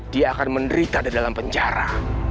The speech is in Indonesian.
dia akan menderita di dalam penjara